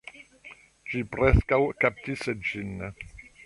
Ĝi preskaŭ kaptis ĝin